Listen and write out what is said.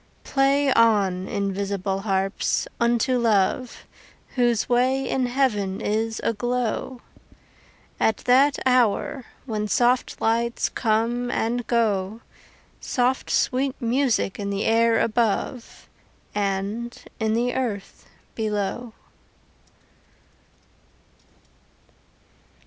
Play on, invisible harps, unto Love, Whose way in heaven is aglow At that hour when soft lights come and go, Soft sweet music in the air above And in the earth below.